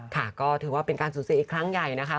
ค่ะก็ถือว่าเป็นการสูญเสียอีกครั้งใหญ่นะคะ